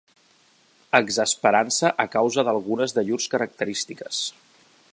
Exasperant-se a causa d'algunes de llurs característiques.